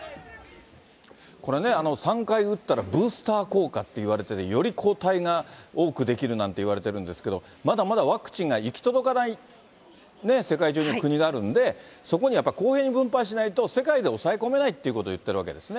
これね、３回打ったらブースター効果っていわれてる、より抗体が多く出来るなんていわれてるんですけれども、まだまだワクチンが行き届かない世界中の国があるんで、そこにやっぱり公平に分配しないと、世界で抑え込めないってことを言ってるわけですね。